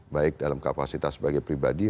baik dalam kapasitas sebagai pribadi